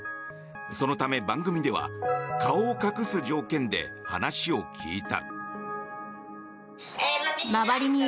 そのため、番組では顔を隠す条件で話を聞いた。